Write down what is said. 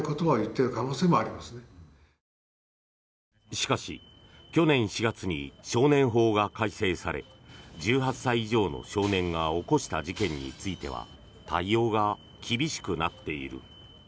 しかし、去年４月に少年法が改正され１８歳以上の少年が起こした事件については対応が厳しくなっている。